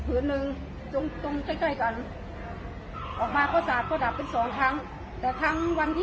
ครั้งหนึ่งวันที่อะไรครั้งสุดท้ายครั้งสุดท้ายวันที่ยี่สิบหกครั้งหนึ่งค่ะ